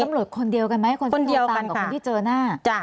ตำรวจคนเดียวกันไหมคนที่โทรตามกับคนที่เจอหน้า